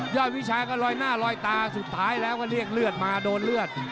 วิชาก็ลอยหน้าลอยตาสุดท้ายแล้วก็เรียกเลือดมาโดนเลือด